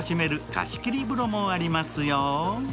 貸し切り風呂もありますよ。